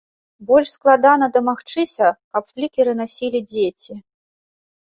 Больш складана дамагчыся, каб флікеры насілі дзеці.